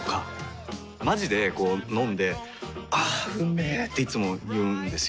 まじでこう飲んで「あーうんめ」っていつも言うんですよ。